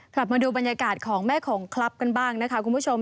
มาดูบรรยากาศของแม่ของคลับกันบ้างนะคะคุณผู้ชม